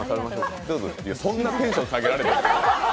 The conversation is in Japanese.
そんなにテンション下げられても。